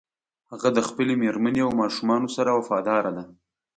هغه د خپلې مېرمنې او ماشومانو سره وفاداره ده